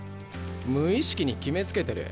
無意識に決めつけてる。